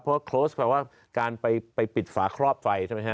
เพราะว่าการไปปิดฝาครอบไฟ